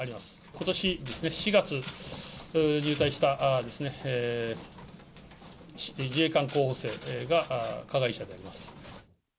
ことし４月に入隊した自衛官候補生が加害者であります。